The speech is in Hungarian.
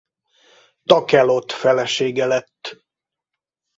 Takelot felesége lett.